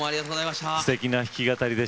すてきな弾き語りでした。